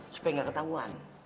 supaya nggak ketahuan